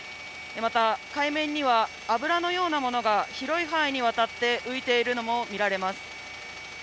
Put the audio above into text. また、海面には油のようなものが広い範囲にわたって浮いているのも見られます。